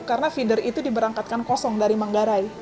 karena feeder itu diberangkatkan kosong dari manggarai